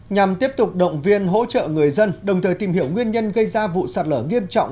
nhằm tiếp tục động viên hỗ trợ người dân đồng thời tìm hiểu nguyên nhân gây ra vụ sạt lở nghiêm trọng